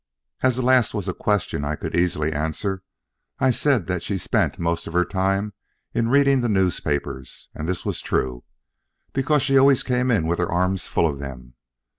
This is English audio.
As the last was a question I could easily answer, I said that she spent most of her time in reading the newspapers; and this was true, because she always came in with her arms full of them.